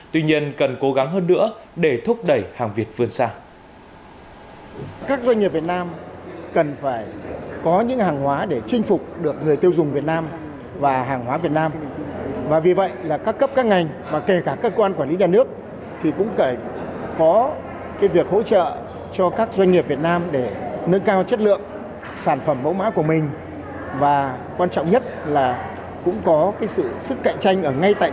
tuy nhiên cần cố gắng hơn nữa để thúc đẩy hàng việt vươn xa